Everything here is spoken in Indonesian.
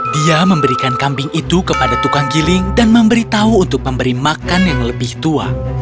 dia memberikan kambing itu kepada tukang giling dan memberitahu untuk memberi makan yang lebih tua